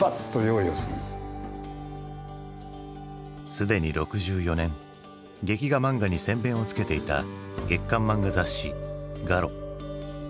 すでに６４年劇画漫画に先べんをつけていた月刊漫画雑誌「ガロ」。